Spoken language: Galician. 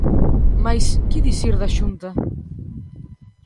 Mais, que dicir da Xunta?